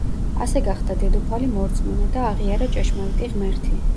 ასე გახდა დედოფალი მორწმუნე და აღიარა ჭეშმარიტი ღმერთი.